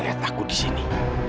lihat aku di sini